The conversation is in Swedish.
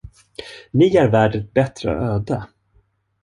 Ni är värd ett bättre öde.